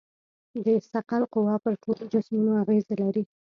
د ثقل قوه پر ټولو جسمونو اغېز لري.